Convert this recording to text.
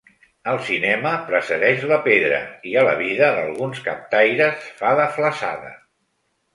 Al cinema precedeix la pedra i a la vida d'alguns captaires fa de flassada.